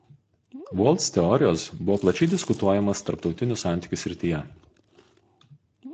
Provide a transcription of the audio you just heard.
Waltz teorijos buvo plačiai diskutuojamas tarptautinių santykių srityje.